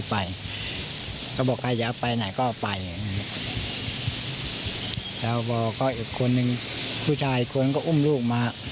ผู้ชายอีกคนนึงก็อุ้มลูกมา